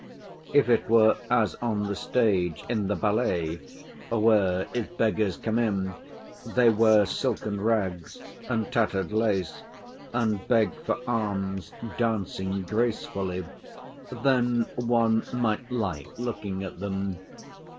If it were as on the stage, in the ballet, where if beggars come in, they wear silken rags and tattered lace and beg for alms dancing gracefully, then one might like looking at them.